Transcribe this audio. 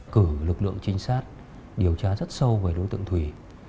cử lực lượng trinh sát điều tra rất sâu về đối tượng thủy